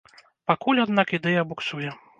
Пакуль, аднак, ідэя буксуе.